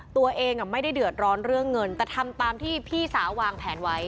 ตัวเองไม่ได้เดือดร้อนเรื่องเงินแต่ทำตามที่พี่สาววางแผนไว้